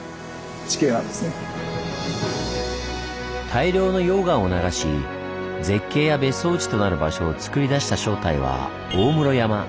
大量の溶岩を流し絶景や別荘地となる場所をつくり出した正体は大室山。